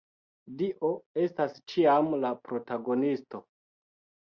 Dio estas ĉiam la protagonisto.